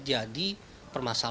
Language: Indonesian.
jadi semuanya ada